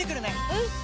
うん！